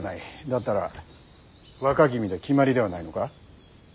だったら若君で決まりではないのか。